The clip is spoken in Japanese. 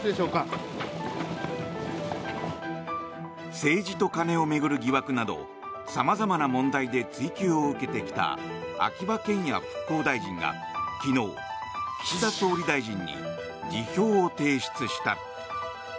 政治と金を巡る疑惑など様々な問題で追及を受けてきた秋葉賢也復興大臣が昨日、岸田総理大臣に辞表を提出した。